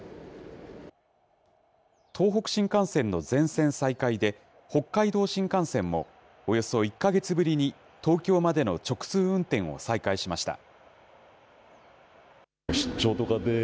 東北新幹線の全線再開で、北海道新幹線も、およそ１か月ぶりに東京までの直通運転を再開しました。